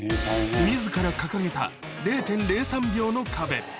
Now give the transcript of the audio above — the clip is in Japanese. みずから掲げた０．０３秒の壁。